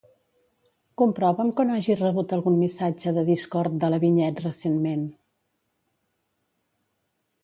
Comprova'm que no hagi rebut algun missatge de Discord de la Vinyet recentment.